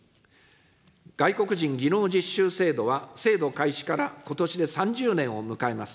外国人技能実習制度は、制度開始からことしで３０年を迎えます。